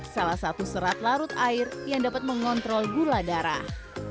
salah satu serat larut air yang dapat mengontrol gula darah